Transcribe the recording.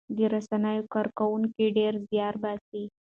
د رسنیو کارکوونکي ډېر زیار باسي.